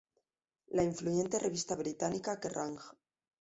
La influyente revista británica Kerrang!